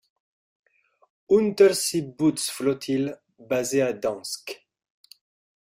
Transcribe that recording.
Unterseebootsflottille, basé à Gdańsk.